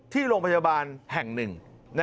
ที่โรงพยาบาลแห่ง๑